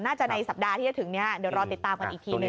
น่าจะในสัปดาห์ที่จะถึงเนี่ยเดี๋ยวรอติดตามกันอีกทีหนึ่งนะครับ